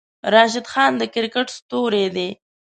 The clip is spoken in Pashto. راشد خان د کرکیټ ستوری دی.